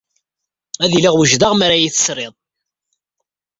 Ad iliɣ wejdeɣ mi ara iyi-tesrid.